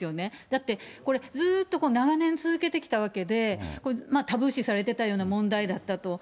だってこれ、ずっと長年続けてきたわけで、タブー視されてたような問題だったと。